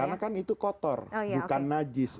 karena kan itu kotor bukan najis